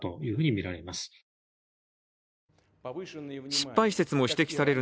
失敗説も指摘される